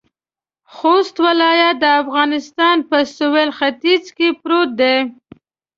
خوست ولایت د افغانستان په سویل ختيځ کې پروت دی.